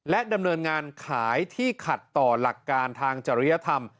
ดำเนินงานขายที่ขัดต่อหลักการทางจริยธรรม